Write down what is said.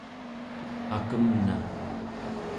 akemna